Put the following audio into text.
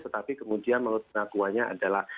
tetapi kemudian menurut pengakuannya adalah